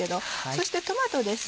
そしてトマトです。